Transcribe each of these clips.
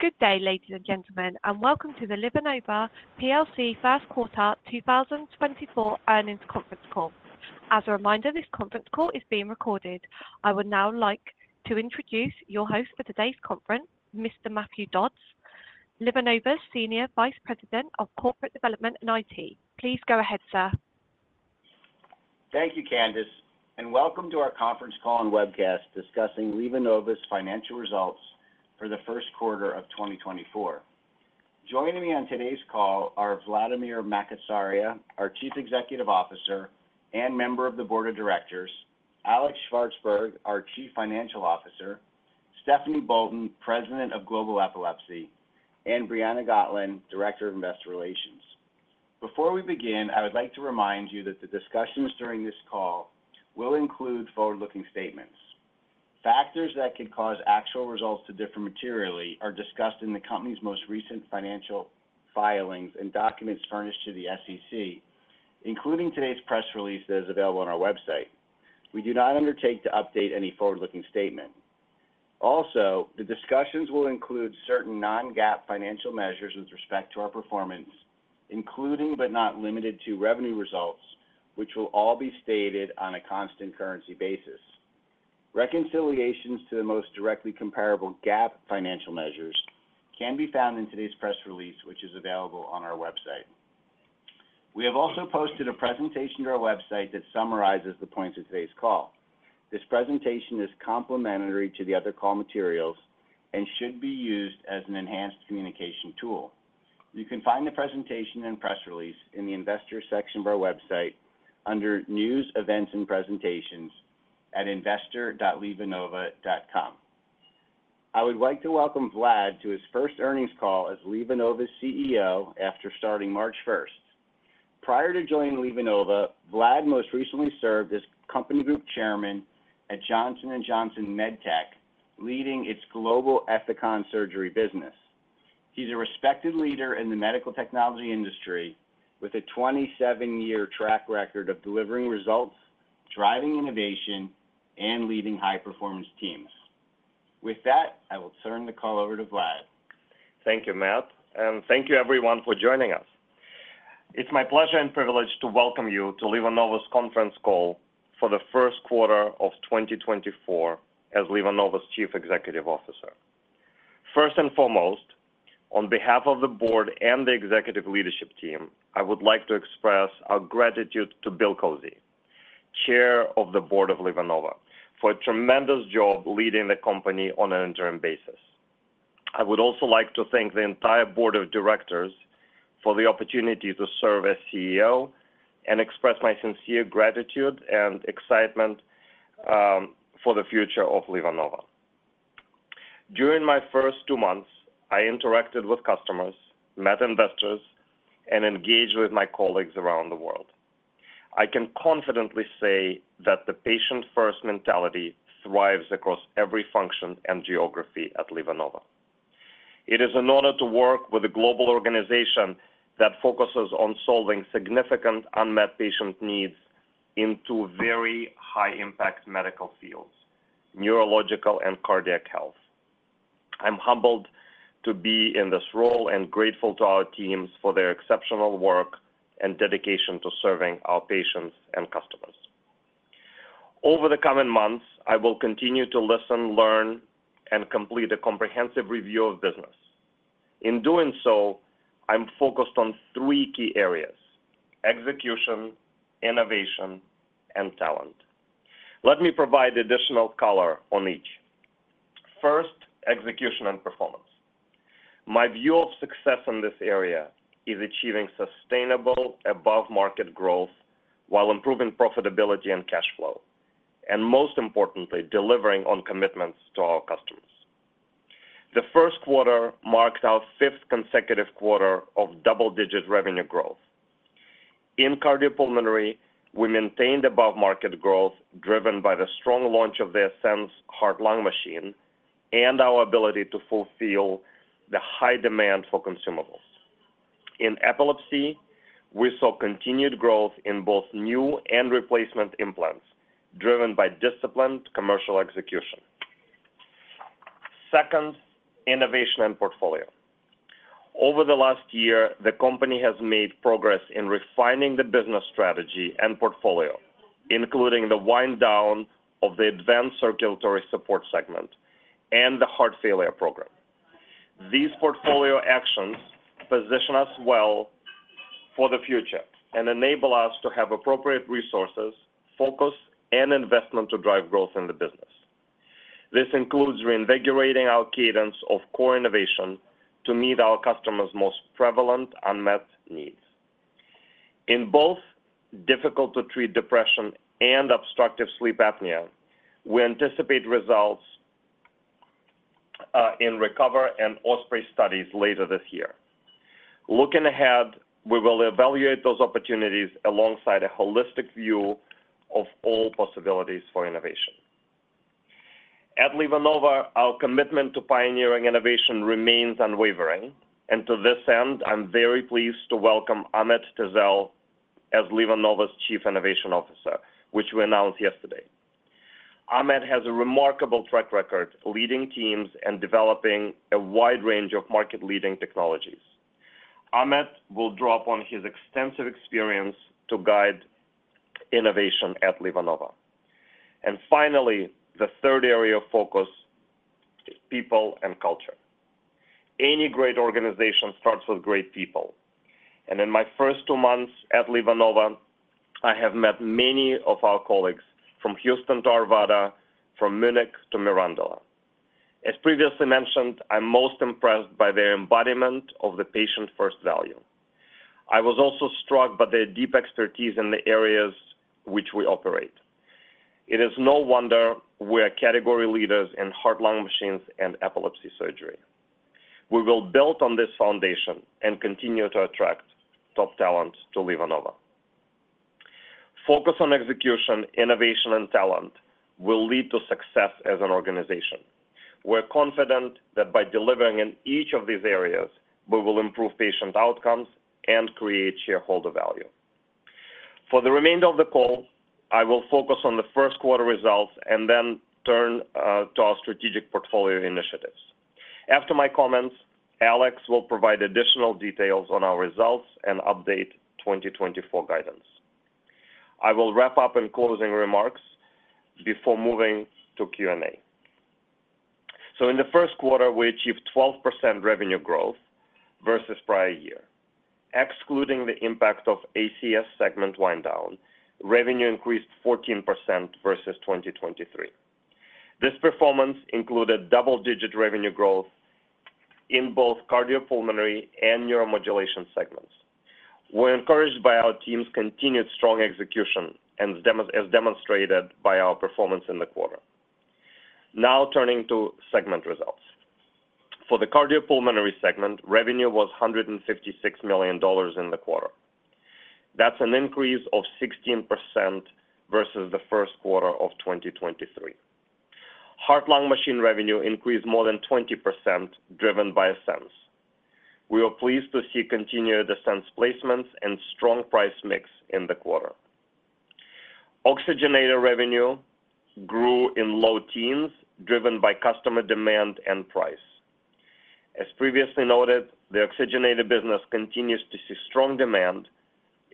Good day, ladies and gentlemen, and welcome to the LivaNova PLC first quarter 2024 earnings conference call. As a reminder, this conference call is being recorded. I would now like to introduce your host for today's conference, Mr. Matthew Dodds, LivaNova's Senior Vice President of Corporate Development and IT. Please go ahead, sir. Thank you, Candace, and welcome to our conference call and webcast discussing LivaNova's financial results for the first quarter of 2024. Joining me on today's call are Vladimir Makatsaria, our Chief Executive Officer and Member of the Board of Directors; Alex Shvartsburg, our Chief Financial Officer; Stephanie Bolton, President of Global Epilepsy; and Briana Gotlin, Director of Investor Relations. Before we begin, I would like to remind you that the discussions during this call will include forward-looking statements. Factors that could cause actual results to differ materially are discussed in the company's most recent financial filings and documents furnished to the SEC, including today's press release that is available on our website. We do not undertake to update any forward-looking statement. Also, the discussions will include certain non-GAAP financial measures with respect to our performance, including, but not limited to, revenue results, which will all be stated on a constant currency basis. Reconciliations to the most directly comparable GAAP financial measures can be found in today's press release, which is available on our website. We have also posted a presentation to our website that summarizes the points of today's call. This presentation is complementary to the other call materials and should be used as an enhanced communication tool. You can find the presentation and press release in the Investors section of our website under News, Events, and Presentations at investor.livanova.com. I would like to welcome Vlad to his first earnings call as LivaNova's CEO after starting March 1st. Prior to joining LivaNova, Vlad most recently served as Company Group Chairman at Johnson & Johnson MedTech, leading its global Ethicon surgery business. He's a respected leader in the medical technology industry with a 27-year track record of delivering results, driving innovation, and leading high-performance teams. With that, I will turn the call over to Vlad. Thank you, Matt, and thank you everyone for joining us. It's my pleasure and privilege to welcome you to LivaNova's conference call for the first quarter of 2024 as LivaNova's Chief Executive Officer. First and foremost, on behalf of the Board and the executive leadership team, I would like to express our gratitude to Bill Kozy, Chair of the Board of LivaNova, for a tremendous job leading the company on an interim basis. I would also like to thank the entire Board of Directors for the opportunity to serve as CEO and express my sincere gratitude and excitement for the future of LivaNova. During my first two months, I interacted with customers, met investors, and engaged with my colleagues around the world. I can confidently say that the patient-first mentality thrives across every function and geography at LivaNova. It is an honor to work with a global organization that focuses on solving significant unmet patient needs in two very high-impact medical fields: neurological and cardiac health. I'm humbled to be in this role and grateful to our teams for their exceptional work and dedication to serving our patients and customers. Over the coming months, I will continue to listen, learn, and complete a comprehensive review of business. In doing so, I'm focused on three key areas: execution, innovation, and talent. Let me provide additional color on each. First, execution and performance. My view of success in this area is achieving sustainable, above-market growth while improving profitability and cash flow, and most importantly, delivering on commitments to our customers. The first quarter marks our fifth consecutive quarter of double-digit revenue growth. In Cardiopulmonary, we maintained above-market growth, driven by the strong launch of the Essenz heart-lung machine and our ability to fulfill the high demand for consumables. In Epilepsy, we saw continued growth in both new and replacement implants, driven by disciplined commercial execution. Second, innovation and portfolio. Over the last year, the company has made progress in refining the business strategy and portfolio, including the wind down of the advanced circulatory support segment and the heart failure program. These portfolio actions position us well for the future and enable us to have appropriate resources, focus, and investment to drive growth in the business. This includes reinvigorating our cadence of core innovation to meet our customers' most prevalent unmet needs. In both difficult-to-treat depression and obstructive sleep apnea, we anticipate results in RECOVER and OSPREY studies later this year. Looking ahead, we will evaluate those opportunities alongside a holistic view of all possibilities for innovation. At LivaNova, our commitment to pioneering innovation remains unwavering, and to this end, I'm very pleased to welcome Ahmet Tezel as LivaNova's Chief Innovation Officer, which we announced yesterday. Ahmet has a remarkable track record, leading teams and developing a wide range of market-leading technologies. Ahmet will draw upon his extensive experience to guide innovation at LivaNova. And finally, the third area of focus is people and culture. Any great organization starts with great people, and in my first two months at LivaNova, I have met many of our colleagues from Houston to Arvada, from Munich to Mirandola. As previously mentioned, I'm most impressed by their embodiment of the patient-first value. I was also struck by their deep expertise in the areas which we operate. It is no wonder we are category leaders in heart-lung machines and epilepsy surgery. We will build on this foundation and continue to attract top talent to LivaNova. Focus on execution, innovation, and talent will lead to success as an organization. We're confident that by delivering in each of these areas, we will improve patient outcomes and create shareholder value. For the remainder of the call, I will focus on the first quarter results and then turn to our strategic portfolio initiatives. After my comments, Alex will provide additional details on our results and update 2024 guidance. I will wrap up in closing remarks before moving to Q&A. So in the first quarter, we achieved 12% revenue growth versus prior year. Excluding the impact of ACS segment wind down, revenue increased 14% versus 2023. This performance included double-digit revenue growth in both Cardiopulmonary and Neuromodulation segments. We're encouraged by our team's continued strong execution and as demonstrated by our performance in the quarter. Now turning to segment results. For the Cardiopulmonary segment, revenue was $156 million in the quarter. That's an increase of 16% versus the first quarter of 2023. Heart-lung machine revenue increased more than 20%, driven by Essenz. We were pleased to see continued Essenz placements and strong price mix in the quarter. Oxygenator revenue grew in low teens, driven by customer demand and price. As previously noted, the oxygenator business continues to see strong demand,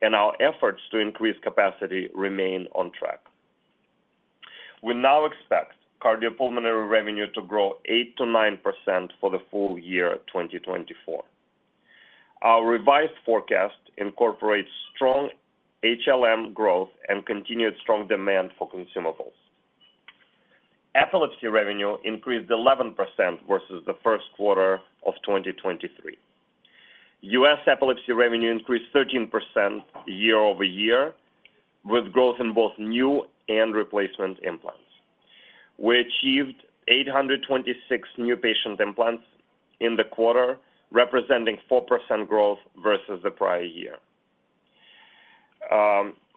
and our efforts to increase capacity remain on track. We now expect Cardiopulmonary revenue to grow 8%-9% for the full year 2024. Our revised forecast incorporates strong HLM growth and continued strong demand for consumables. Epilepsy revenue increased 11% versus the first quarter of 2023. U.S. Epilepsy revenue increased 13% year-over-year, with growth in both new and replacement implants. We achieved 826 new patient implants in the quarter, representing 4% growth versus the prior year.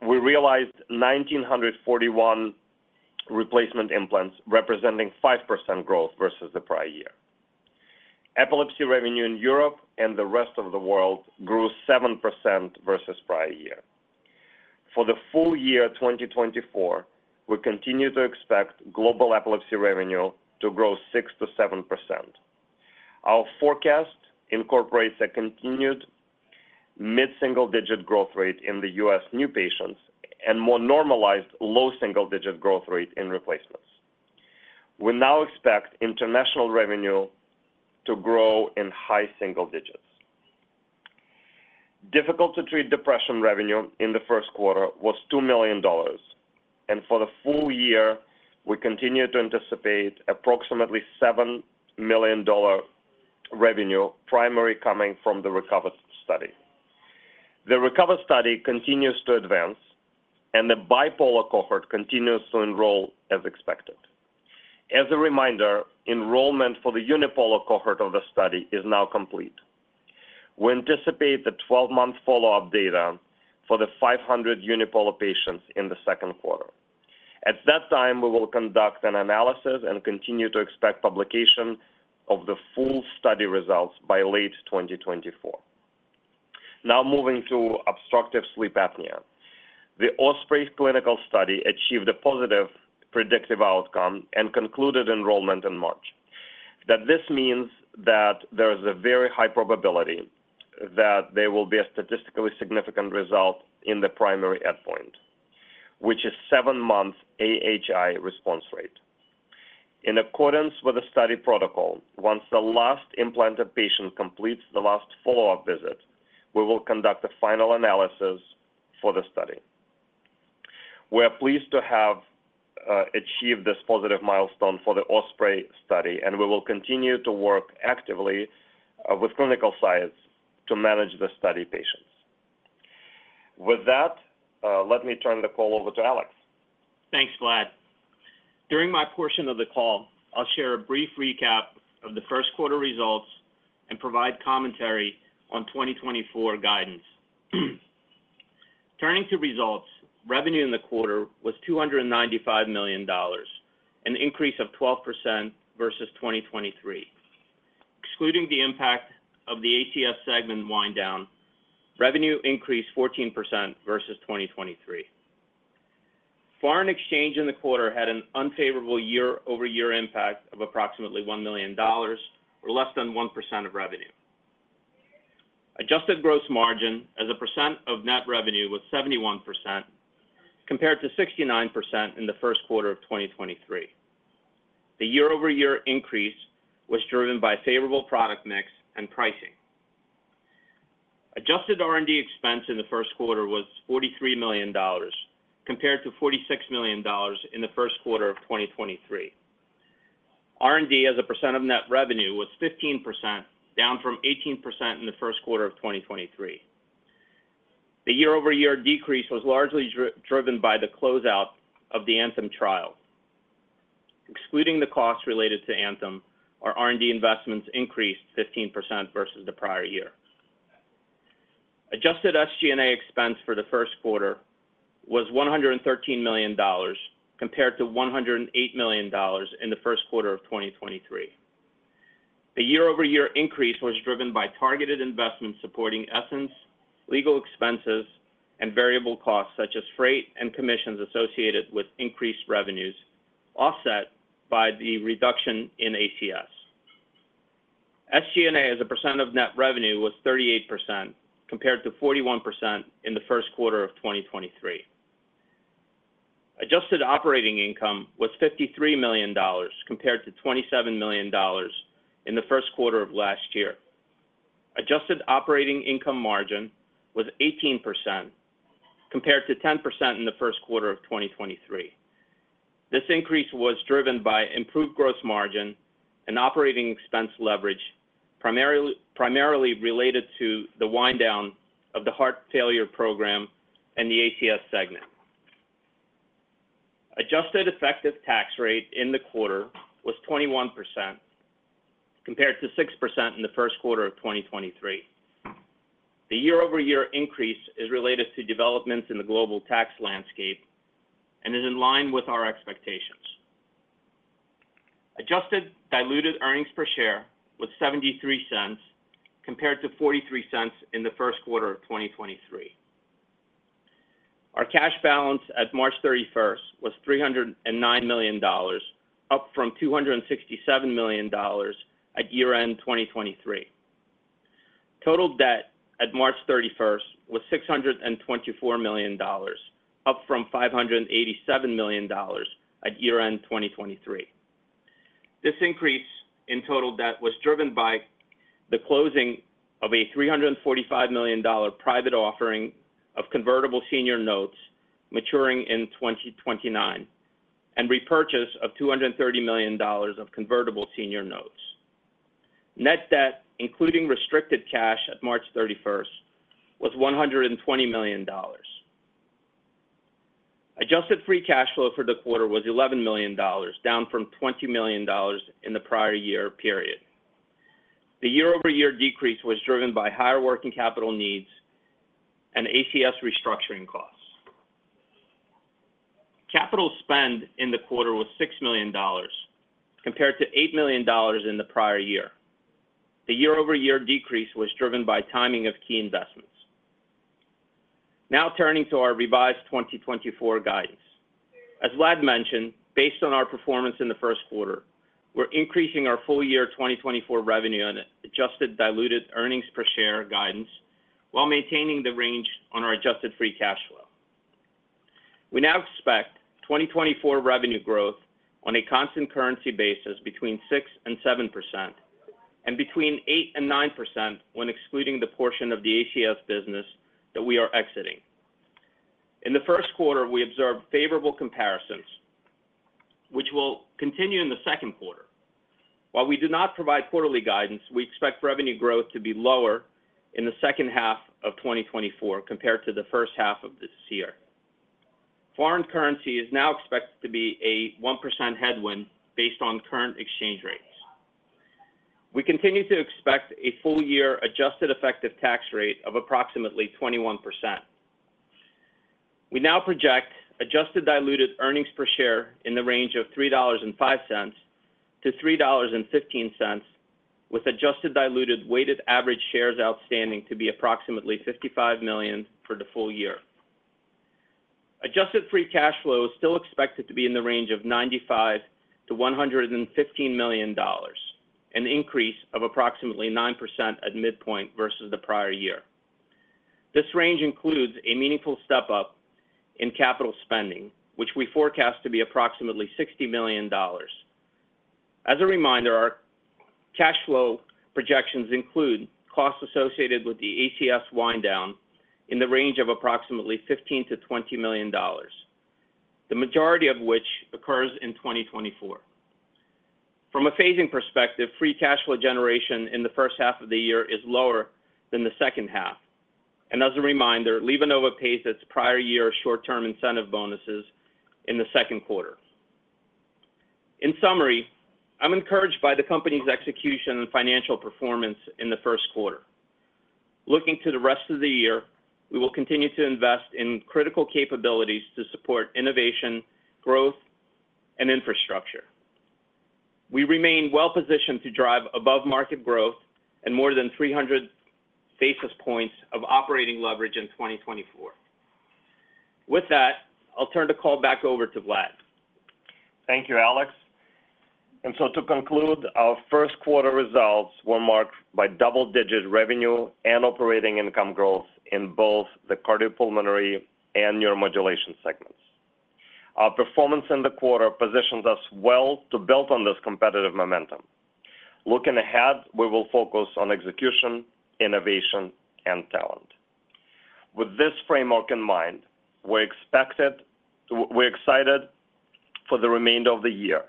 We realized 1,941 replacement implants, representing 5% growth versus the prior year. Epilepsy revenue in Europe and the rest of the world grew 7% versus prior year. For the full year 2024, we continue to expect global epilepsy revenue to grow 6%-7%. Our forecast incorporates a continued mid-single-digit growth rate in the U.S. new patients and more normalized low single-digit growth rate in replacements. We now expect international revenue to grow in high single digits. Difficult-to-treat depression revenue in the first quarter was $2 million, and for the full year, we continue to anticipate approximately $7 million revenue, primarily coming from the RECOVER study. The RECOVER study continues to advance, and the Bipolar cohort continues to enroll as expected. As a reminder, enrollment for the Unipolar cohort of the study is now complete. We anticipate the 12-month follow-up data for the 500 Unipolar patients in the second quarter. At that time, we will conduct an analysis and continue to expect publication of the full study results by late 2024. Now moving to obstructive sleep apnea. The OSPREY clinical study achieved a positive predictive outcome and concluded enrollment in March. That this means that there is a very high probability that there will be a statistically significant result in the primary endpoint, which is seven-month AHI response rate. In accordance with the study protocol, once the last implanted patient completes the last follow-up visit, we will conduct a final analysis for the study. We are pleased to have achieved this positive milestone for the OSPREY study, and we will continue to work actively with clinical sites to manage the study patients. With that, let me turn the call over to Alex. Thanks, Vlad. During my portion of the call, I'll share a brief recap of the first quarter results and provide commentary on 2024 guidance. Turning to results, revenue in the quarter was $295 million, an increase of 12% versus 2023. Excluding the impact of the ACS segment wind down, revenue increased 14% versus 2023. Foreign exchange in the quarter had an unfavorable year-over-year impact of approximately $1 million, or less than 1% of revenue. Adjusted gross margin as a percent of net revenue was 71%, compared to 69% in the first quarter of 2023. The year-over-year increase was driven by favorable product mix and pricing. Adjusted R&D expense in the first quarter was $43 million, compared to $46 million in the first quarter of 2023. R&D, as a percent of net revenue, was 15%, down from 18% in the first quarter of 2023. The year-over-year decrease was largely driven by the closeout of the ANTHEM trial. Excluding the costs related to ANTHEM, our R&D investments increased 15% versus the prior year. Adjusted SG&A expense for the first quarter was $113 million, compared to $108 million in the first quarter of 2023. The year-over-year increase was driven by targeted investments supporting Essenz, legal expenses, and variable costs such as freight and commissions associated with increased revenues, offset by the reduction in ACS. SG&A, as a percent of net revenue, was 38%, compared to 41% in the first quarter of 2023. Adjusted operating income was $53 million, compared to $27 million in the first quarter of last year. Adjusted operating income margin was 18%, compared to 10% in the first quarter of 2023. This increase was driven by improved gross margin and operating expense leverage, primarily related to the wind down of the Heart Failure Program and the ACS segment. Adjusted effective tax rate in the quarter was 21%, compared to 6% in the first quarter of 2023. The year-over-year increase is related to developments in the global tax landscape and is in line with our expectations. Adjusted diluted earnings per share was $0.73, compared to $0.43 in the first quarter of 2023. Our cash balance at March 31st was $309 million, up from $267 million at year-end 2023. Total debt at March 31st was $624 million, up from $587 million at year-end 2023. This increase in total debt was driven by the closing of a $345 million private offering of convertible senior notes maturing in 2029, and repurchase of $230 million of convertible senior notes. Net debt, including restricted cash at March 31st, was $120 million. Adjusted free cash flow for the quarter was $11 million, down from $20 million in the prior year period. The year-over-year decrease was driven by higher working capital needs and ACS restructuring costs. Capital spend in the quarter was $6 million, compared to $8 million in the prior year. The year-over-year decrease was driven by timing of key investments. Now turning to our revised 2024 guidance. As Vlad mentioned, based on our performance in the first quarter, we're increasing our full year 2024 revenue and adjusted diluted earnings per share guidance while maintaining the range on our adjusted free cash flow. We now expect 2024 revenue growth on a constant currency basis between 6% and 7%, and between 8% and 9% when excluding the portion of the ACS business that we are exiting. In the first quarter, we observed favorable comparisons, which will continue in the second quarter. While we do not provide quarterly guidance, we expect revenue growth to be lower in the second half of 2024 compared to the first half of this year. Foreign currency is now expected to be a 1% headwind based on current exchange rates. We continue to expect a full year adjusted effective tax rate of approximately 21%. We now project adjusted diluted earnings per share in the range of $3.05-$3.15, with adjusted diluted weighted average shares outstanding to be approximately 55 million for the full year. Adjusted free cash flow is still expected to be in the range of $95 million-$115 million, an increase of approximately 9% at midpoint versus the prior year. This range includes a meaningful step up in capital spending, which we forecast to be approximately $60 million. As a reminder, our cash flow projections include costs associated with the ACS wind down in the range of approximately $15 million-$20 million, the majority of which occurs in 2024. From a phasing perspective, free cash flow generation in the first half of the year is lower than the second half. As a reminder, LivaNova pays its prior year short-term incentive bonuses in the second quarter. In summary, I'm encouraged by the company's execution and financial performance in the first quarter. Looking to the rest of the year, we will continue to invest in critical capabilities to support innovation, growth, and infrastructure. We remain well-positioned to drive above-market growth and more than 300 basis points of operating leverage in 2024. With that, I'll turn the call back over to Vlad. Thank you, Alex. So to conclude, our first quarter results were marked by double-digit revenue and operating income growth in both the Cardiopulmonary and Neuromodulation segments. Our performance in the quarter positions us well to build on this competitive momentum. Looking ahead, we will focus on execution, innovation, and talent. With this framework in mind, we're excited for the remainder of the year.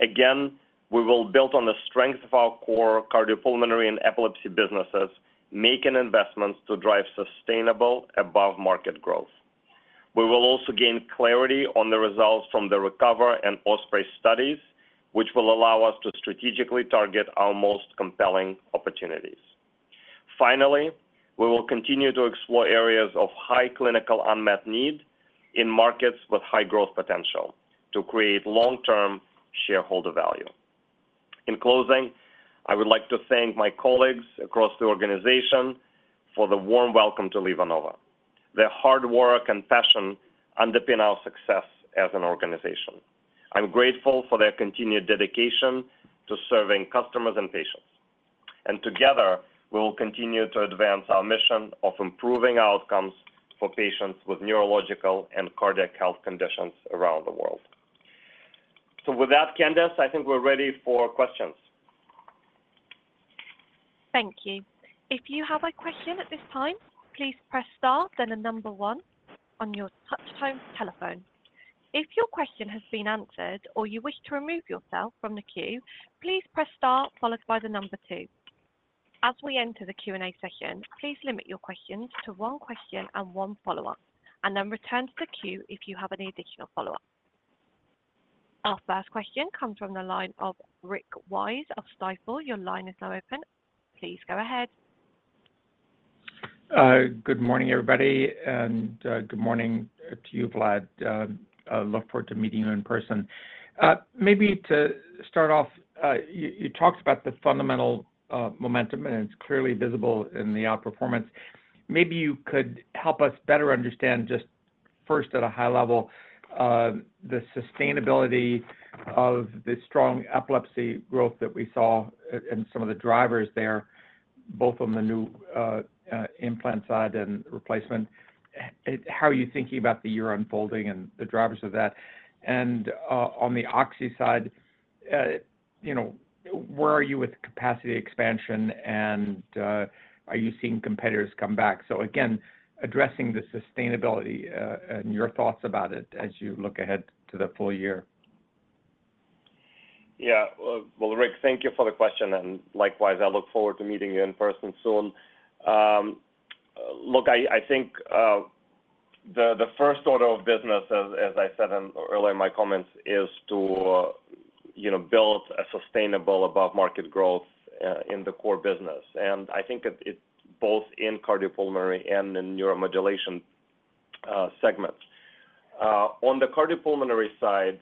Again, we will build on the strength of our core Cardiopulmonary and Epilepsy businesses, making investments to drive sustainable above-market growth. We will also gain clarity on the results from the RECOVER and OSPREY studies, which will allow us to strategically target our most compelling opportunities. Finally, we will continue to explore areas of high clinical unmet need in markets with high growth potential to create long-term shareholder value. In closing, I would like to thank my colleagues across the organization for the warm welcome to LivaNova. Their hard work and passion underpin our success as an organization. I'm grateful for their continued dedication to serving customers and patients, and together, we will continue to advance our mission of improving outcomes for patients with neurological and cardiac health conditions around the world. So with that, Candice, I think we're ready for questions. Thank you. If you have a question at this time, please press star then the number one on your touchtone telephone. If your question has been answered or you wish to remove yourself from the queue, please press star followed by the number two. As we enter the Q&A session, please limit your questions to one question and one follow-up, and then return to the queue if you have any additional follow-up. Our first question comes from the line of Rick Wise of Stifel. Your line is now open. Please go ahead. Good morning, everybody, and good morning to you, Vlad. I look forward to meeting you in person. Maybe to start off, you talked about the fundamental momentum, and it's clearly visible in the outperformance. Maybe you could help us better understand, just first at a high level, the sustainability of the strong epilepsy growth that we saw and some of the drivers there, both on the new implant side and replacement. How are you thinking about the year unfolding and the drivers of that? And on the Oxy side, you know, where are you with capacity expansion, and are you seeing competitors come back? So again, addressing the sustainability, and your thoughts about it as you look ahead to the full year. Yeah. Well, Rick, thank you for the question, and likewise, I look forward to meeting you in person soon. Look, I think the first order of business, as I said earlier in my comments, is to, you know, build a sustainable above-market growth in the core business. And I think it's both in Cardiopulmonary and in Neuromodulation segments. On the Cardiopulmonary side,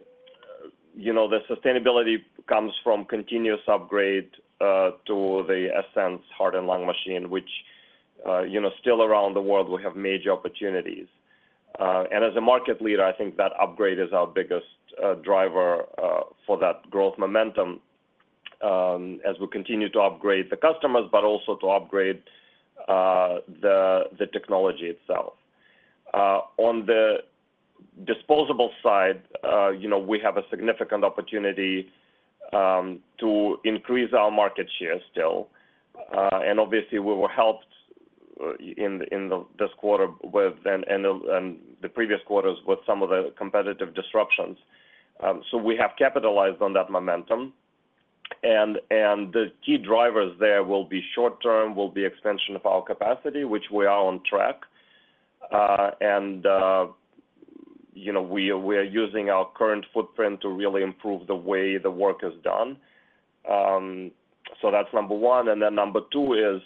you know, the sustainability comes from continuous upgrade to the Essenz heart and lung machine, which, you know, still around the world, we have major opportunities. And as a market leader, I think that upgrade is our biggest driver for that growth momentum, as we continue to upgrade the customers, but also to upgrade the technology itself. On the disposable side, you know, we have a significant opportunity to increase our market share still. And obviously, we were helped in this quarter and the previous quarters with some of the competitive disruptions. So we have capitalized on that momentum, and the key drivers there will be short term, will be expansion of our capacity, which we are on track. And you know, we are using our current footprint to really improve the way the work is done. So that's number one. And then number two is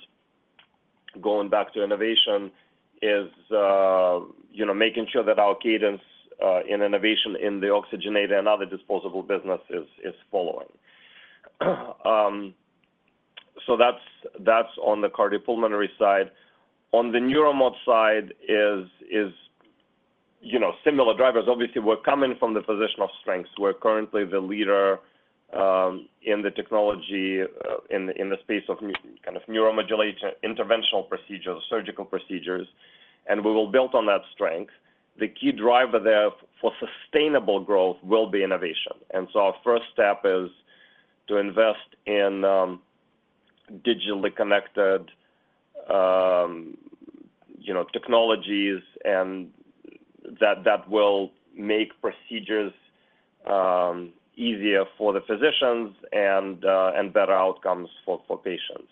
going back to innovation is you know, making sure that our cadence in innovation in the oxygenator and other disposable businesses is following. So that's on the Cardiopulmonary side. On the Neuromod side is you know, similar drivers. Obviously, we're coming from the position of strength. We're currently the leader in the technology in the space of kind of neuromodulator interventional procedures, surgical procedures, and we will build on that strength. The key driver there for sustainable growth will be innovation. And so our first step is to invest in digitally connected, you know, technologies and that will make procedures easier for the physicians and better outcomes for patients.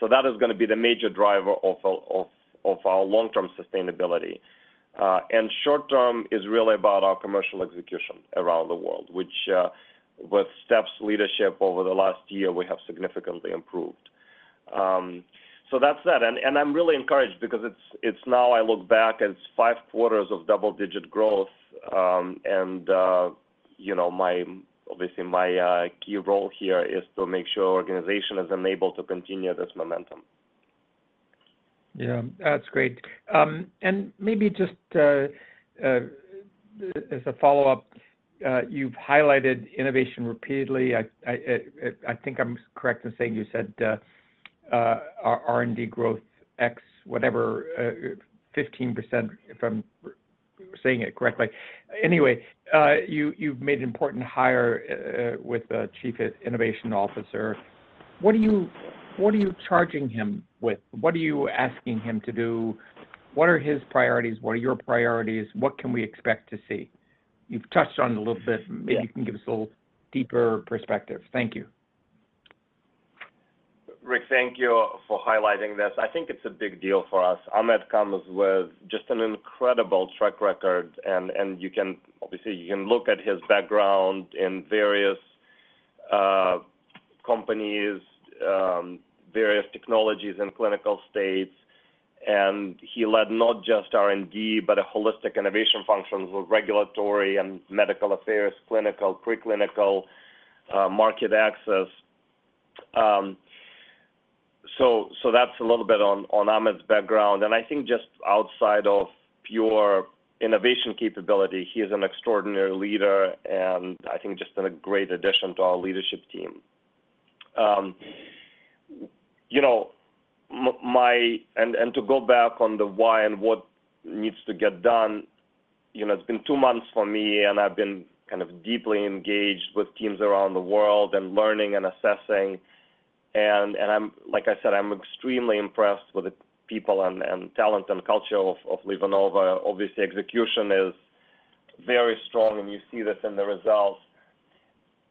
So that is gonna be the major driver of our long-term sustainability. And short term is really about our commercial execution around the world, which with Steph's leadership over the last year, we have significantly improved. So that's that. And I'm really encouraged because it's now, I look back, it's five quarters of double-digit growth, and you know, obviously, my key role here is to make sure our organization is enabled to continue this momentum. Yeah, that's great. And maybe just, as a follow-up, you've highlighted innovation repeatedly. I think I'm correct in saying you said, R&D growth X, whatever 15% if I'm saying it correctly. Anyway, you, you've made an important hire with a Chief Innovation Officer. What are you, what are you charging him with? What are you asking him to do? What are his priorities? What are your priorities? What can we expect to see? You've touched on it a little bit. Yeah. Maybe you can give us a little deeper perspective. Thank you. Rick, thank you for highlighting this. I think it's a big deal for us. Ahmet comes with just an incredible track record, and you can obviously look at his background in various companies, various technologies and clinical states. And he led not just R&D, but a holistic innovation functions with regulatory and medical affairs, clinical, preclinical, market access. So that's a little bit on Ahmet's background, and I think just outside of pure innovation capability, he is an extraordinary leader and I think just a great addition to our leadership team. You know, my and to go back on the why and what needs to get done, you know, it's been two months for me, and I've been kind of deeply engaged with teams around the world and learning and assessing. Like I said, I'm extremely impressed with the people and talent and culture of LivaNova. Obviously, execution is very strong, and you see this in the results.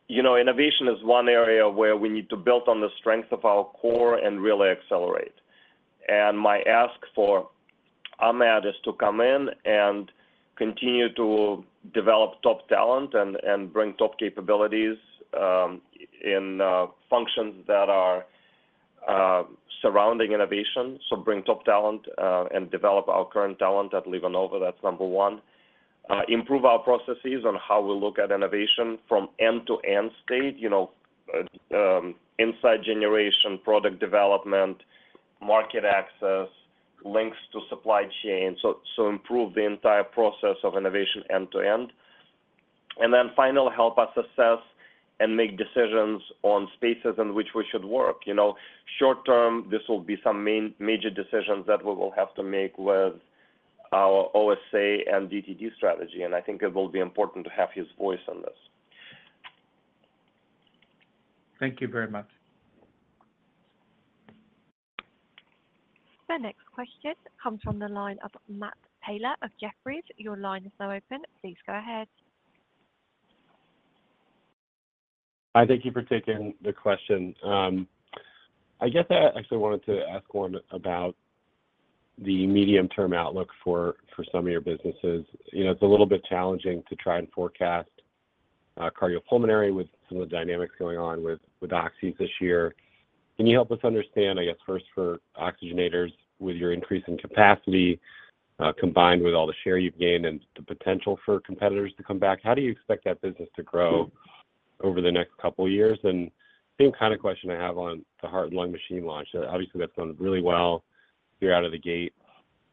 You know, innovation is one area where we need to build on the strength of our core and really accelerate. My ask for Ahmet is to come in and continue to develop top talent and bring top capabilities in functions that are surrounding innovation. So bring top talent and develop our current talent at LivaNova, that's number one. Improve our processes on how we look at innovation from end-to-end state, you know, inside generation, product development, market access, links to supply chain. So improve the entire process of innovation end to end. And then finally, help us assess and make decisions on spaces in which we should work. You know, short term, this will be some major decisions that we will have to make with our OSA and DTD strategy, and I think it will be important to have his voice on this. Thank you very much. The next question comes from the line of Matt Taylor of Jefferies. Your line is now open. Please go ahead. Hi, thank you for taking the question. I guess I actually wanted to ask one about the medium-term outlook for some of your businesses. You know, it's a little bit challenging to try and forecast Cardiopulmonary with some of the dynamics going on with oxys this year. Can you help us understand, I guess, first for oxygenators, with your increase in capacity combined with all the share you've gained and the potential for competitors to come back, how do you expect that business to grow over the next couple of years? And same kind of question I have on the heart and lung machine launch. Obviously, that's gone really well. You're out of the gate.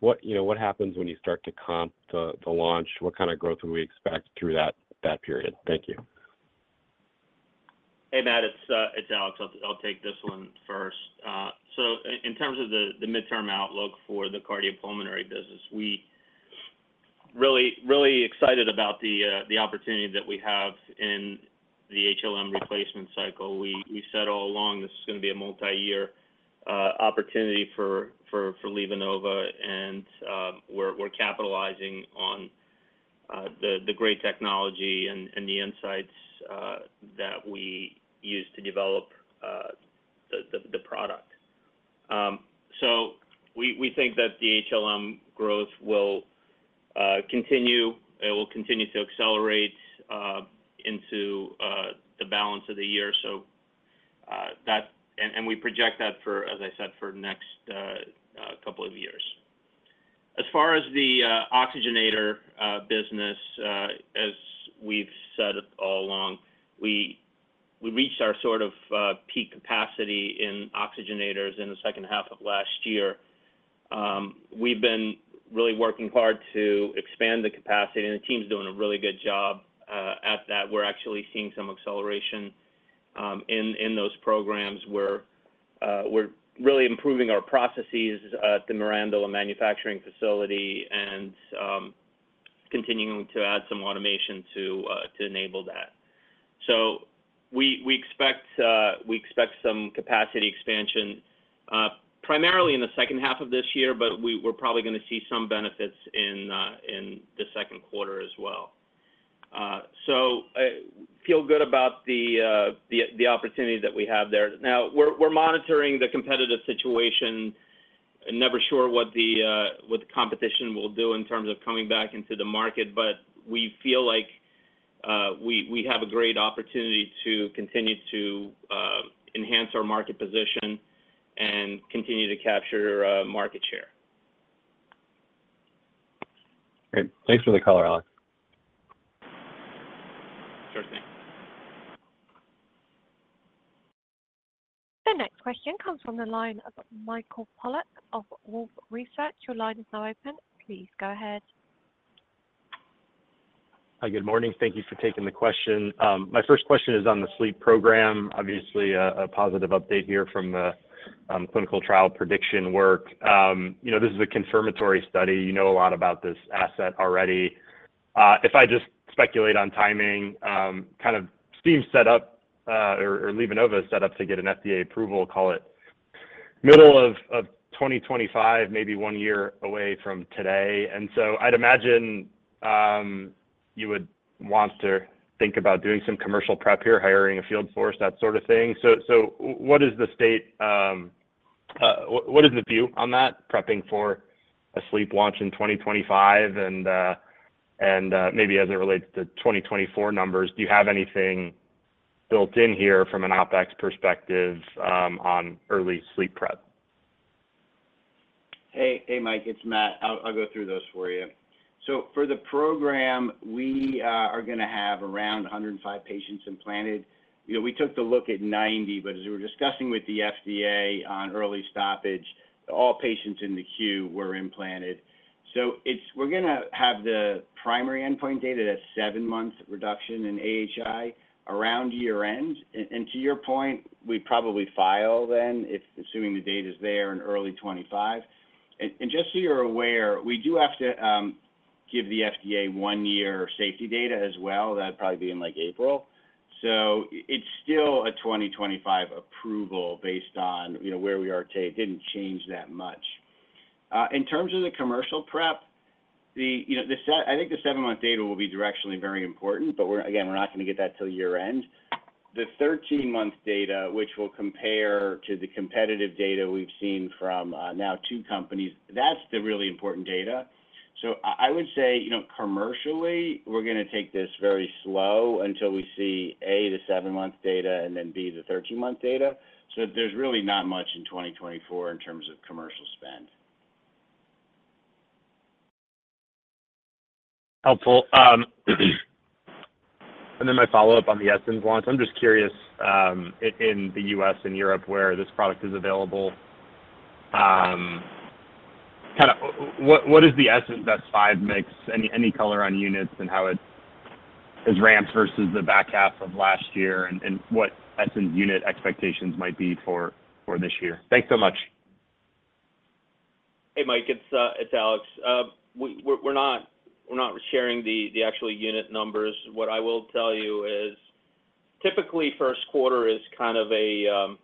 What, you know, what happens when you start to comp the launch? What kind of growth would we expect through that period? Thank you. Hey, Matt, it's Alex. I'll take this one first. So in terms of the midterm outlook for the Cardiopulmonary business, we really, really excited about the opportunity that we have in the HLM replacement cycle. We said all along, this is gonna be a multi-year opportunity for LivaNova, and we're capitalizing on the great technology and the insights that we use to develop the product. So we think that the HLM growth will continue. It will continue to accelerate into the balance of the year. So, and we project that for, as I said, for next couple of years. As far as the oxygenator business, as we've said all along, we reached our sort of peak capacity in oxygenators in the second half of last year. We've been really working hard to expand the capacity, and the team's doing a really good job at that. We're actually seeing some acceleration in those programs where we're really improving our processes at the Mirandola manufacturing facility and continuing to add some automation to enable that. So we expect some capacity expansion, primarily in the second half of this year, but we're probably gonna see some benefits in the second quarter as well. So I feel good about the opportunity that we have there. Now, we're monitoring the competitive situation. Never sure what the competition will do in terms of coming back into the market, but we feel like we have a great opportunity to continue to enhance our market position and continue to capture market share. Great. Thanks for the color, Alex. Sure thing. The next question comes from the line of Michael Polark of Wolfe Research. Your line is now open. Please go ahead. Hi, good morning. Thank you for taking the question. My first question is on the sleep program. Obviously, a positive update here from the clinical trial prediction work. You know, this is a confirmatory study. You know a lot about this asset already. If I just speculate on timing, kind of team set up or LivaNova set up to get an FDA approval, call it middle of 2025, maybe one year away from today. So I'd imagine, you would want to think about doing some commercial prep here, hiring a field force, that sort of thing. So what is the state, what, what is the view on that, prepping for a sleep launch in 2025, and, and, maybe as it relates to 2024 numbers, do you have anything built in here from an OpEx perspective, on early sleep prep? Hey, hey, Mike, it's Matt. I'll go through those for you. So for the program, we are gonna have around 105 patients implanted. You know, we took the look at 90, but as we were discussing with the FDA on early stoppage, all patients in the queue were implanted. So it's. We're gonna have the primary endpoint data, that's seven months reduction in AHI, around year-end. And to your point, we'd probably file then, if assuming the data is there in early 2025. And just so you're aware, we do have to give the FDA one year safety data as well. That'd probably be in, like, April. So it's still a 2025 approval based on, you know, where we are today. It didn't change that much. In terms of the commercial prep, you know, I think the seven-month data will be directionally very important, but we're, again, we're not going to get that till year end. The 13-month data, which will compare to the competitive data we've seen from now two companies, that's the really important data. So I would say, you know, commercially, we're gonna take this very slow until we see, A, the seven-month data, and then B, the 13-month data. So there's really not much in 2024 in terms of commercial spend. Helpful. And then my follow-up on the Essenz launch. I'm just curious, in the U.S. and Europe, where this product is available, kinda, what is the Essenz/S5 mix? Any color on units and how it has ramped versus the back half of last year, and what Essenz unit expectations might be for this year? Thanks so much. Hey, Mike, it's Alex. We're not sharing the actual unit numbers. What I will tell you is, typically, first quarter is kind of a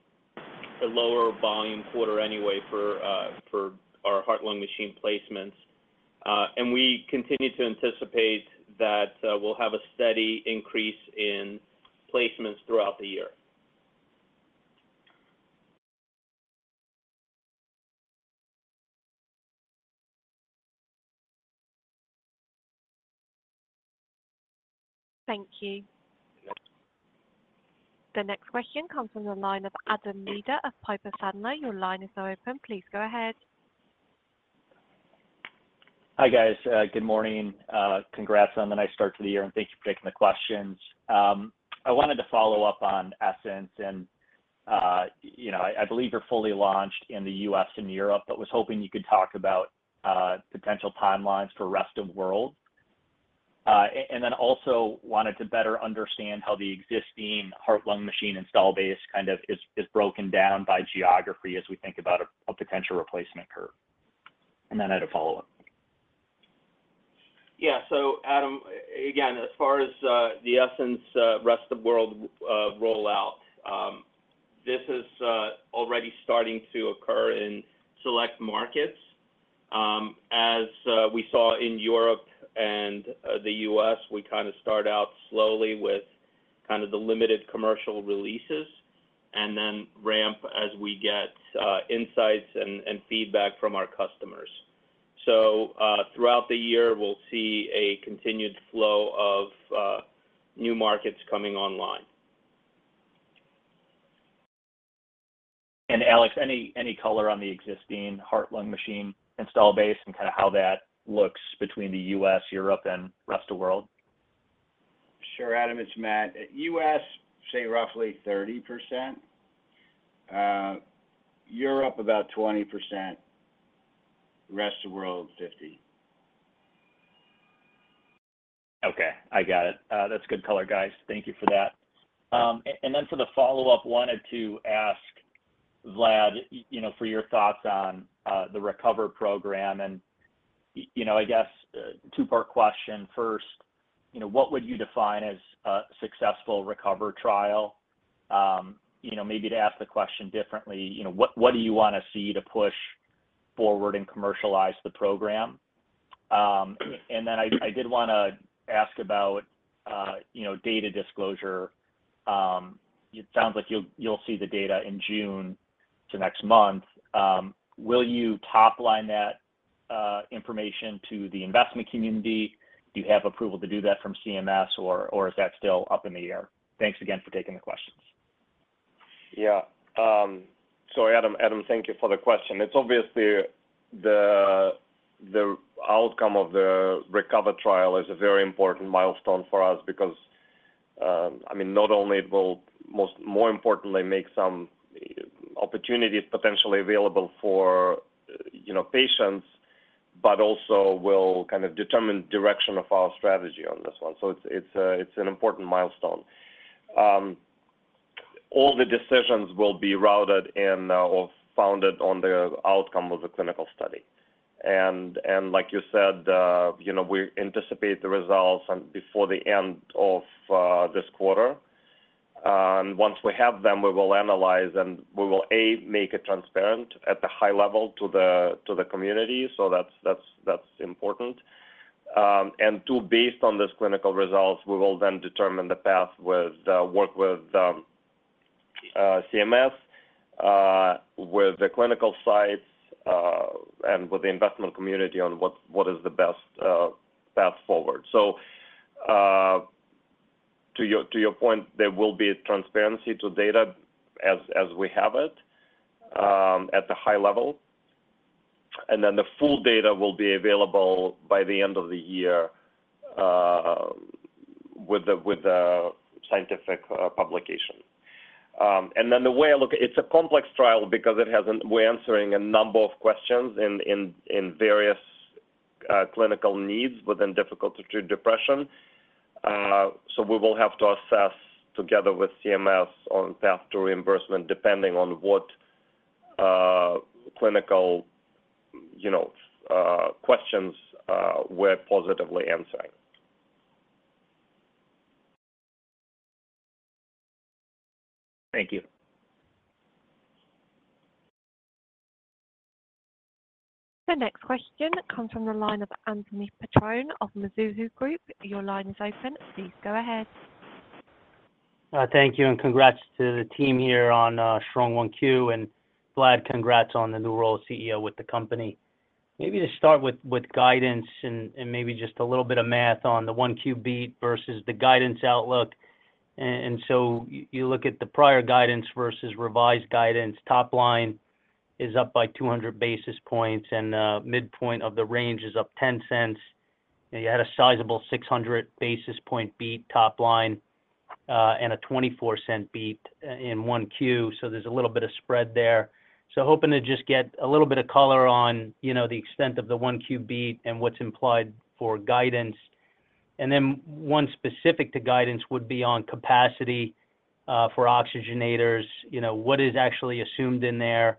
lower volume quarter anyway for our heart-lung machine placements. And we continue to anticipate that we'll have a steady increase in placements throughout the year. Thank you. The next question comes from the line of Adam Maeder of Piper Sandler. Your line is now open. Please go ahead. Hi, guys, good morning. Congrats on the nice start to the year, and thank you for taking the questions. I wanted to follow up on Essenz and, you know, I believe you're fully launched in the U.S. and Europe, but was hoping you could talk about potential timelines for rest of world. And then also wanted to better understand how the existing heart-lung machine install base kind of is broken down by geography as we think about a potential replacement curve. And then I had a follow-up. Yeah. So Adam, again, as far as the Essenz rest of world rollout, this is already starting to occur in select markets. As we saw in Europe and the U.S., we kind of start out slowly with kind of the limited commercial releases and then ramp as we get insights and feedback from our customers. So, throughout the year, we'll see a continued flow of new markets coming online. Alex, any color on the existing heart-lung machine install base and kind of how that looks between the U.S., Europe, and rest of world? Sure, Adam, it's Matt. U.S., say roughly 30%, Europe, about 20%, rest of world, 50%. Okay, I got it. That's good color, guys. Thank you for that. And then for the follow-up, wanted to ask Vlad, you know, for your thoughts on the RECOVER program. And, you know, I guess, two-part question. First, you know, what would you define as a successful RECOVER trial? You know, maybe to ask the question differently, you know, what do you want to see to push-forward and commercialize the program. And then I did want to ask about, you know, data disclosure. It sounds like you'll see the data in June, so next month. Will you top-line that information to the investment community? Do you have approval to do that from CMS, or is that still up in the air? Thanks again for taking the questions. Yeah. So Adam. Adam, thank you for the question. It's obviously the outcome of the RECOVER trial is a very important milestone for us because, I mean, not only will more importantly make some opportunities potentially available for, you know, patients, but also will kind of determine direction of our strategy on this one. So it's, it's a, it's an important milestone. All the decisions will be rooted in or founded on the outcome of the clinical study. And like you said, you know, we anticipate the results before the end of this quarter. Once we have them, we will analyze and we will make it transparent at the high level to the, to the community. So that's, that's, that's important. And two, based on this clinical results, we will then determine the path, work with CMS, with the clinical sites, and with the investment community on what is the best path forward. So, to your point, there will be transparency to data as we have it at the high level, and then the full data will be available by the end of the year with the scientific publication. And then the way I look at it, it's a complex trial because we're answering a number of questions in various clinical needs within difficult-to-treat depression. So we will have to assess, together with CMS on path to reimbursement, depending on what clinical, you know, questions we're positively answering. Thank you. The next question comes from the line of Anthony Petrone of Mizuho Group. Your line is open. Please go ahead. Thank you, and congrats to the team here on strong 1Q, and Vlad, congrats on the new role of CEO with the company. Maybe to start with guidance and maybe just a little bit of math on the 1Q beat versus the guidance outlook. And so you look at the prior guidance versus revised guidance, top line is up by 200 basis points, and the midpoint of the range is up $0.10. You had a sizable 600 basis point beat top line, and a $0.24 beat in 1Q, so there's a little bit of spread there. So hoping to just get a little bit of color on, you know, the extent of the 1Q beat and what's implied for guidance. And then one specific to guidance would be on capacity for oxygenators. You know, what is actually assumed in there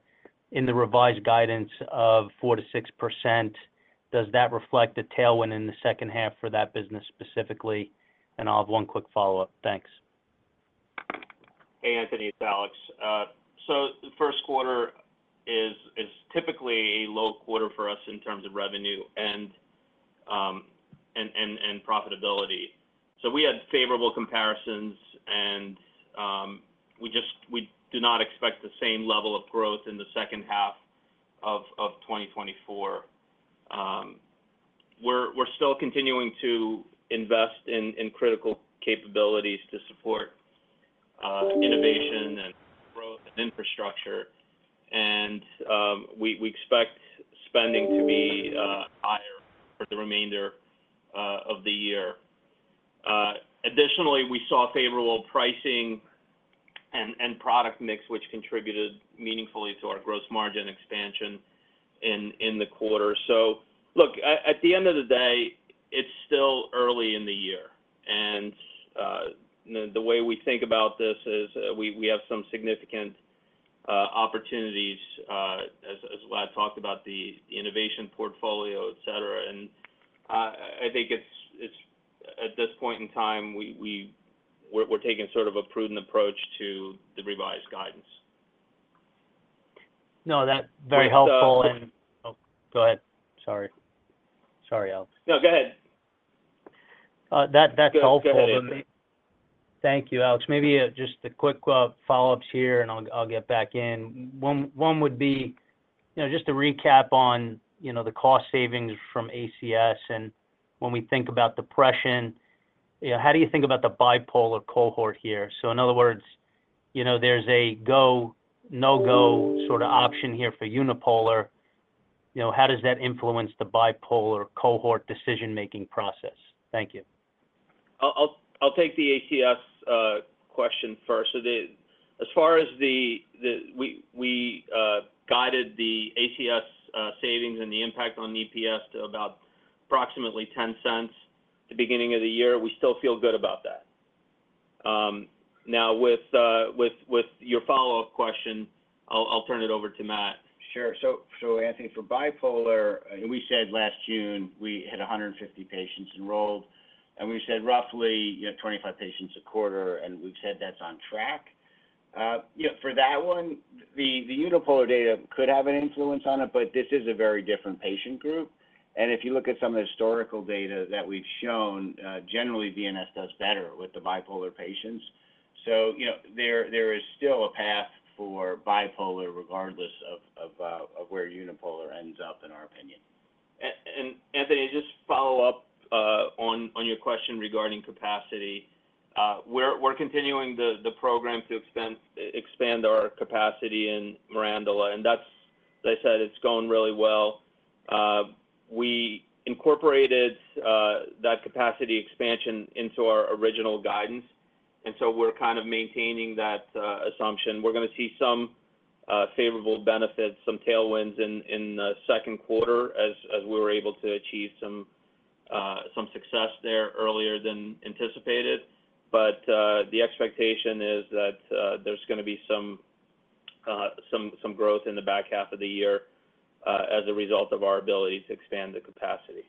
in the revised guidance of 4%-6%? Does that reflect a tailwind in the second half for that business specifically? And I'll have one quick follow-up. Thanks. Hey, Anthony, it's Alex. So the first quarter is typically a low quarter for us in terms of revenue and profitability. So we had favorable comparisons, and we do not expect the same level of growth in the second half of 2024. We're still continuing to invest in critical capabilities to support innovation and growth and infrastructure. We expect spending to be higher for the remainder of the year. Additionally, we saw favorable pricing and product mix, which contributed meaningfully to our gross margin expansion in the quarter. So look, at the end of the day, it's still early in the year, and the way we think about this is, we have some significant opportunities, as Vlad talked about, the innovation portfolio, et cetera. And I think it's at this point in time, we're taking sort of a prudent approach to the revised guidance. No, that's very helpful. And, uh- Go ahead. Sorry. Sorry, Alex. No, go ahead. That, that's helpful. Go ahead. Thank you, Alex. Maybe just a quick follow-ups here, and I'll get back in. One would be, you know, just to recap on, you know, the cost savings from ACS. And when we think about depression, you know, how do you think about the bipolar cohort here? So in other words, you know, there's a go, no-go sort of option here for unipolar. You know, how does that influence the bipolar cohort decision-making process? Thank you. I'll take the ACS question first. So as far as the ACS, we guided the ACS savings and the impact on the EPS to about approximately $0.10 the beginning of the year, we still feel good about that. Now, with your follow-up question, I'll turn it over to Matt. Sure. So, Anthony, for Bipolar, we said last June, we had 150 patients enrolled, and we said roughly, you know, 25 patients a quarter, and we've said that's on track. Yeah, for that one, the unipolar data could have an influence on it, but this is a very different patient group. And if you look at some of the historical data that we've shown, generally, VNS does better with the bipolar patients. So, you know, there is still a path for bipolar, regardless of where unipolar ends up, in our opinion. And Anthony, just follow up on your question regarding capacity. We're continuing the program to expand our capacity in Mirandola, and that's, as I said, it's going really well. We incorporated that capacity expansion into our original guidance, and so we're kind of maintaining that assumption. We're gonna see some favorable benefits, some tailwinds in the second quarter as we were able to achieve some success there earlier than anticipated. But the expectation is that there's gonna be some growth in the back half of the year as a result of our ability to expand the capacity.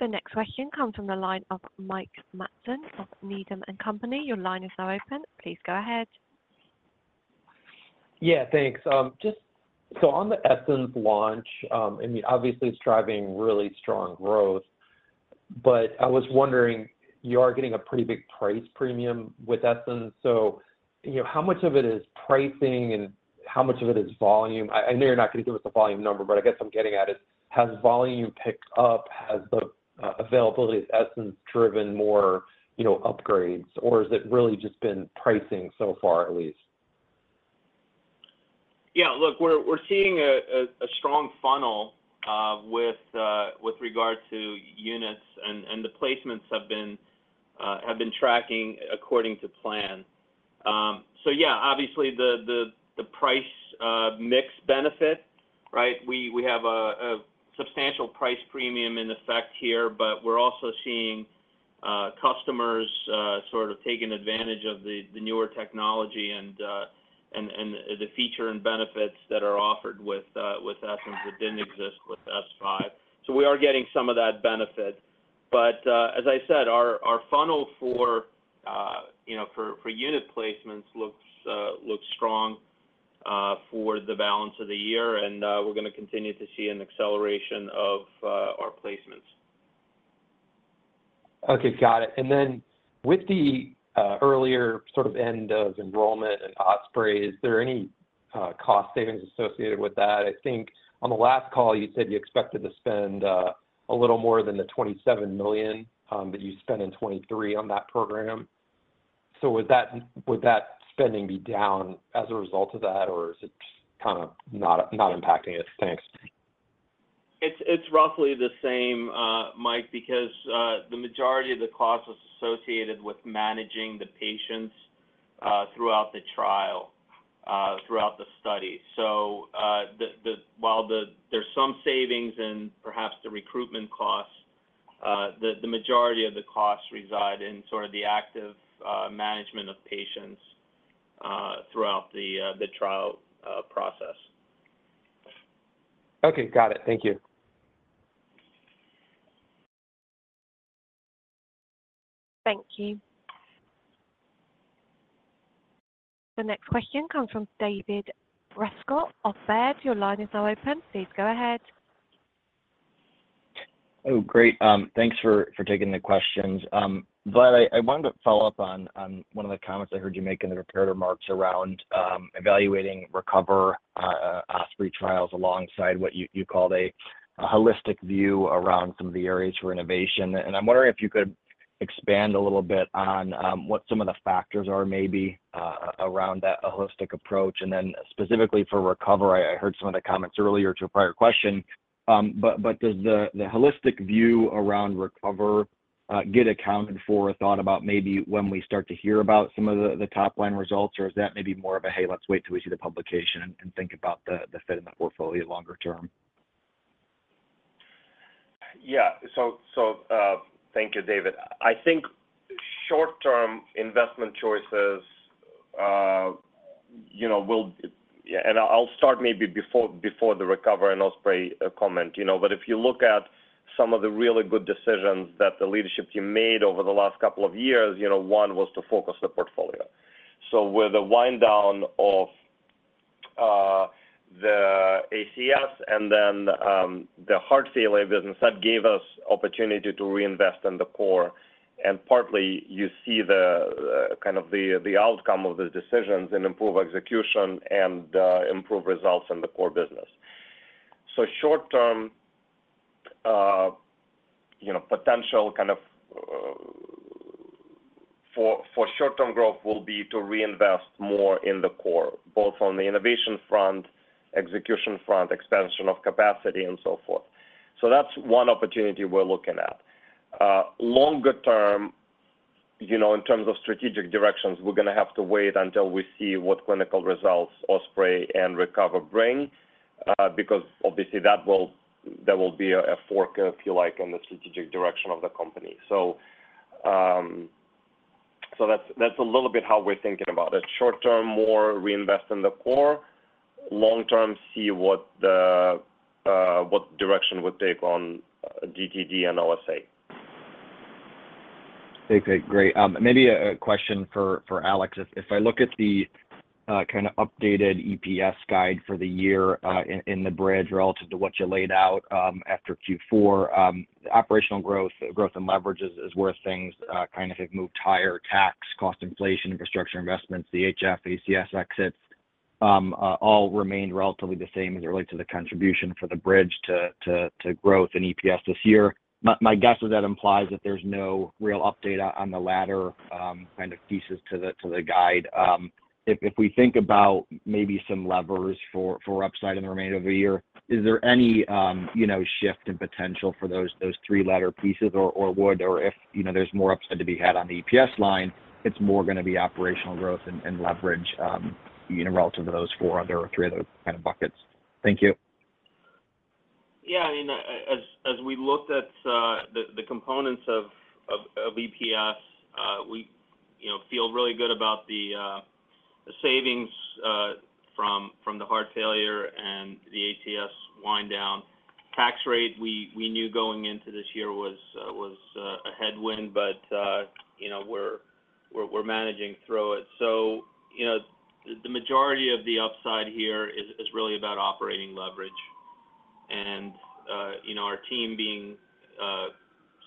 The next question comes from the line of Mike Matson of Needham & Company. Your line is now open. Please go ahead. Yeah, thanks. Just so on the Essenz launch, I mean, obviously, it's driving really strong growth. But I was wondering, you are getting a pretty big price premium with Essenz, so, you know, how much of it is pricing and how much of it is volume? I, I know you're not going to give us a volume number, but I guess I'm getting at is, has volume picked up? Has the availability of Essenz driven more, you know, upgrades, or is it really just been pricing so far, at least? Yeah, look, we're seeing a strong funnel with regard to units, and the placements have been tracking according to plan. So yeah, obviously, the price mix benefit, right? We have a substantial price premium in effect here, but we're also seeing customers sort of taking advantage of the newer technology and the feature and benefits that are offered with Essenz that didn't exist with S5. So we are getting some of that benefit. But as I said, our funnel for, you know, for unit placements looks strong for the balance of the year, and we're gonna continue to see an acceleration of our placements. Okay, got it. And then with the earlier sort of end of enrollment in OSPREY, is there any cost savings associated with that? I think on the last call, you said you expected to spend a little more than the $27 million that you spent in 2023 on that program. So would that spending be down as a result of that, or is it kind of not impacting it? Thanks. It's roughly the same, Mike, because the majority of the cost is associated with managing the patients throughout the trial, throughout the study. So, while there's some savings in perhaps the recruitment costs, the majority of the costs reside in sort of the active management of patients throughout the trial process. Okay, got it. Thank you. Thank you. The next question comes from David Rescott of Baird. Your line is now open. Please go ahead. Oh, great. Thanks for taking the questions. Vlad, I wanted to follow up on one of the comments I heard you make in the prepared remarks around evaluating RECOVER, OSPREY trials, alongside what you called a holistic view around some of the areas for innovation. And I'm wondering if you could expand a little bit on what some of the factors are, maybe, around that holistic approach. And then specifically for RECOVER, I heard some of the comments earlier to a prior question. But does the holistic view around RECOVER get accounted for or thought about maybe when we start to hear about some of the top-line results, or is that maybe more of a, "Hey, let's wait till we see the publication and think about the fit in the portfolio longer term?" Yeah. So, thank you, David. I think short-term investment choices, you know, will—yeah, and I'll start maybe before the RECOVER and OSPREY comment. You know, but if you look at some of the really good decisions that the leadership team made over the last couple of years, you know, one was to focus the portfolio. So with the wind down of the ACS and then the heart failure business, that gave us opportunity to reinvest in the core. And partly, you see the kind of the outcome of the decisions and improve execution and improve results in the core business. So short term, you know, potential kind of for short-term growth will be to reinvest more in the core, both on the innovation front, execution front, expansion of capacity, and so forth. So that's one opportunity we're looking at. Longer term, you know, in terms of strategic directions, we're gonna have to wait until we see what clinical results OSPREY and RECOVER bring, because obviously, that will be a fork, if you like, in the strategic direction of the company. So, so that's, that's a little bit how we're thinking about it. Short term, more reinvest in the core. Long term, see what the, what direction we take on DTD and LSA. Okay, great. Maybe a question for Alex. If I look at the kind of updated EPS guide for the year, in the bridge relative to what you laid out, after Q4. The operational growth and leverages is where things kind of have moved higher. Tax, cost inflation, infrastructure investments, the HF, ACS exits, all remained relatively the same as it relate to the contribution for the bridge to growth in EPS this year. My guess is that implies that there's no real update out on the latter kind of pieces to the guide. If we think about maybe some levers for upside in the remainder of the year, is there any, you know, shift in potential for those three latter pieces? Or if, you know, there's more upside to be had on the EPS line, it's more gonna be operational growth and leverage, you know, relative to those four other or three other kind of buckets. Thank you. Yeah, I mean, as we looked at the components of EPS, we you know feel really good about the savings from the heart failure and the ACS wind down. Tax rate, we knew going into this year was a headwind, but you know, we're managing through it. So, you know, the majority of the upside here is really about operating leverage and you know, our team being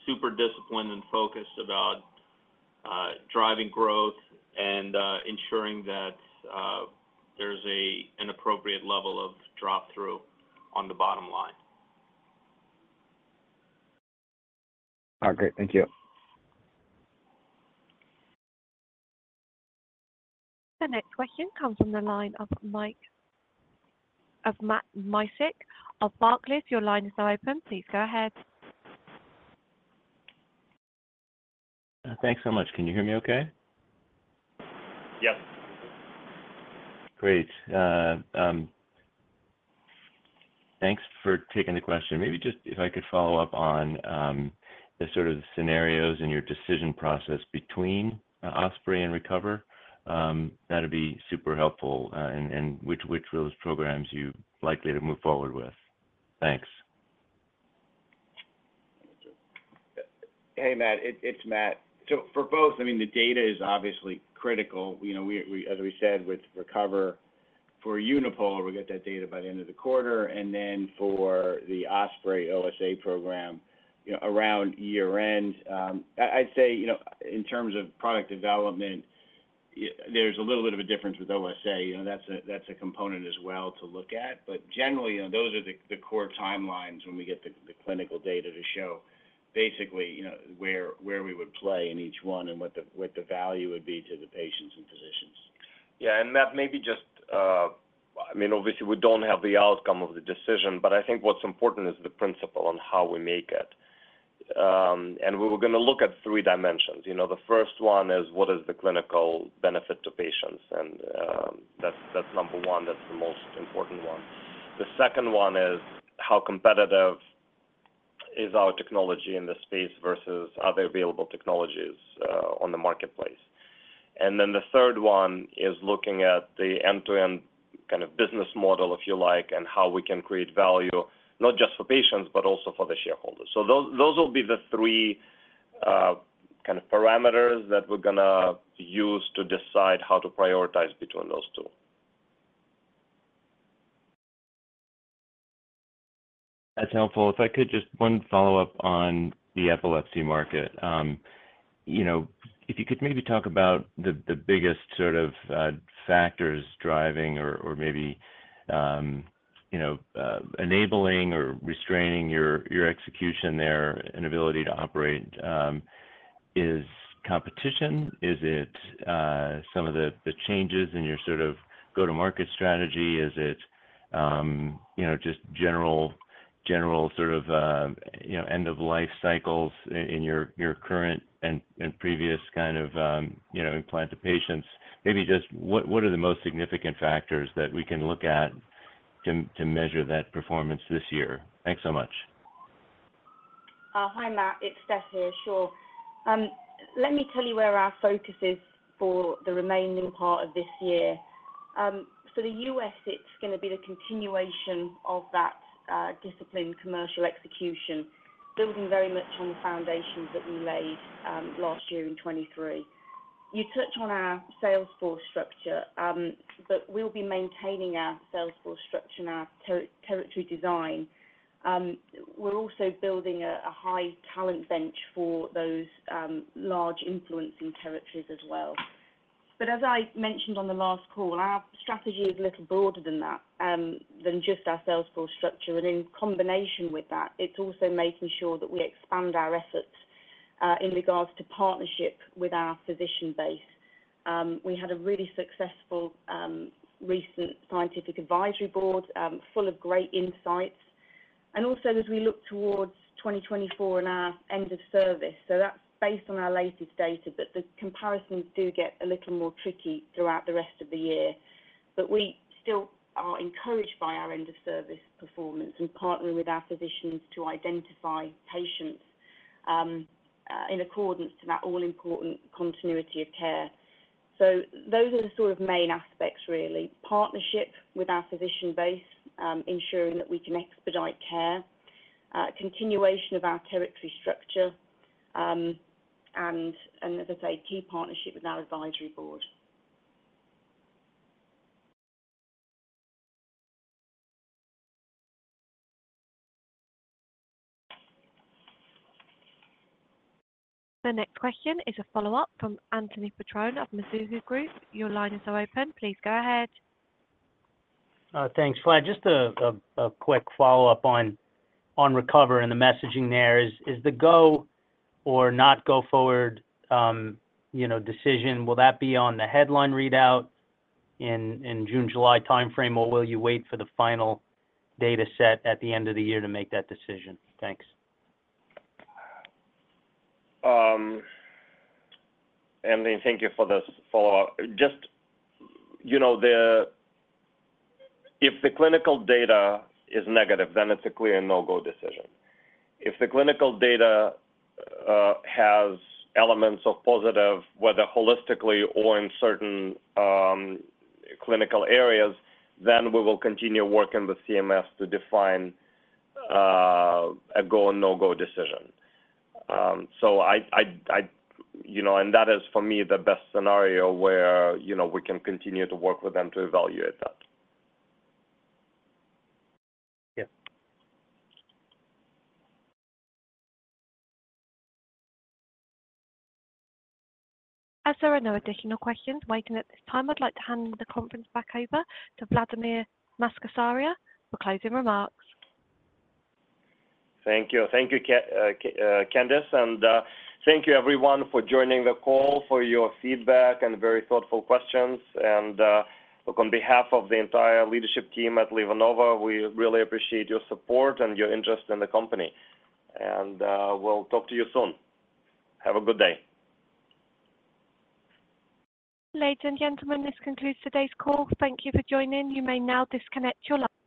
super disciplined and focused about driving growth and ensuring that there's an appropriate level of drop through on the bottom line. Okay, thank you. The next question comes from the line of Matt Miksic of Barclays. Your line is now open. Please go ahead. Thanks so much. Can you hear me okay? Yep. Great. Thanks for taking the question. Maybe just if I could follow up on the sort of scenarios and your decision process between OSPREY and RECOVER, that'd be super helpful. And which of those programs you likely to move forward with? Thanks. Hey, Matt, it's Matt. So for both, I mean, the data is obviously critical. You know, we as we said, with RECOVER, for unipolar, we'll get that data by the end of the quarter, and then for the OSPREY OSA program, you know, around year-end. I'd say, you know, in terms of product development, there's a little bit of a difference with OSA. You know, that's a component as well to look at. But generally, you know, those are the core timelines when we get the clinical data to show basically, you know, where we would play in each one and what the value would be to the patients and physicians. Yeah, and Matt, maybe just, I mean, obviously, we don't have the outcome of the decision, but I think what's important is the principle on how we make it. And we were gonna look at three dimensions. You know, the first one is: What is the clinical benefit to patients? And, that's, that's number one. That's the most important one. The second one is: How competitive is our technology in this space versus other available technologies, on the marketplace? And then the third one is looking at the end-to-end kind of business model, if you like, and how we can create value, not just for patients, but also for the shareholders. So those, those will be the three, kind of parameters that we're gonna use to decide how to prioritize between those two. That's helpful. If I could, just one follow-up on the epilepsy market. You know, if you could maybe talk about the, the biggest sort of, factors driving or, or maybe, you know, enabling or restraining your, your execution there and ability to operate. Is competition, is it, some of the, the changes in your sort of go-to-market strategy? Is it, you know, just general, general sort of, you know, end of life cycles in your, your current and, and previous kind of, you know, implanted patients? Maybe just what, what are the most significant factors that we can look at to, to measure that performance this year? Thanks so much. Hi, Matt, it's Steph here. Sure. Let me tell you where our focus is for the remaining part of this year. So the U.S., it's gonna be the continuation of that, disciplined commercial execution, building very much on the foundations that we laid, last year in 2023. You touched on our sales force structure, but we'll be maintaining our sales force structure and our territory design. We're also building a high talent bench for those, large influencing territories as well. But as I mentioned on the last call, our strategy is a little broader than that, than just our sales force structure. And in combination with that, it's also making sure that we expand our efforts, in regards to partnership with our physician base. We had a really successful recent scientific advisory board full of great insights. And also, as we look towards 2024 and our end of service, so that's based on our latest data, but the comparisons do get a little more tricky throughout the rest of the year. But we still are encouraged by our end of service performance and partnering with our physicians to identify patients in accordance to that all important continuity of care. So those are the sort of main aspects, really. Partnership with our physician base, ensuring that we can expedite care, continuation of our territory structure, and, and as I say, key partnership with our advisory board. The next question is a follow-up from Anthony Petrone of Mizuho Group. Your line is now open. Please go ahead. Thanks. Vlad, just a quick follow-up on RECOVER and the messaging there. Is the go or not-go forward, you know, decision, will that be on the headline readout in June-July timeframe, or will you wait for the final data set at the end of the year to make that decision? Thanks. Anthony, thank you for this follow-up. Just, you know, the, if the clinical data is negative, then it's a clear no-go decision. If the clinical data has elements of positive, whether holistically or in certain clinical areas, then we will continue working with CMS to define a go or no-go decision. You know, and that is, for me, the best scenario where, you know, we can continue to work with them to evaluate that. Yeah. As there are no additional questions waiting at this time, I'd like to hand the conference back over to Vladimir Makatsaria for closing remarks. Thank you. Thank you, Candace, and thank you everyone for joining the call, for your feedback and very thoughtful questions. Look, on behalf of the entire leadership team at LivaNova, we really appreciate your support and your interest in the company. We'll talk to you soon. Have a good day. Ladies and gentlemen, this concludes today's call. Thank you for joining. You may now disconnect your line.